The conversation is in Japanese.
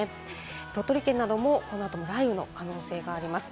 鳥取県などもこの後も雷雨の可能性があります。